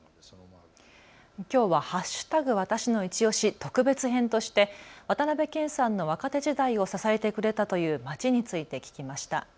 きょうは＃わたしのいちオシ特別編として渡辺謙さんの若手時代を支えてくれたという街について聞きました。